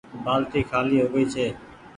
بآلٽي خآلي هوگئي ڇي